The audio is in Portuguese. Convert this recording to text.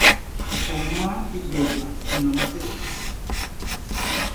Coma e beba, e não acredite.